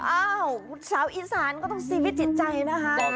อ้าวสาวอีสานก็ต้องซีวิสจิตใจนะคะ